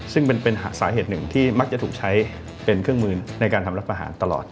ซึ่งเป็นสาเหตุหนึ่งที่มักจะถูกใช้เป็นเครื่องมือในการทำรัฐประหารตลอด